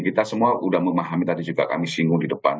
kita semua sudah memahami tadi juga kami singgung di depan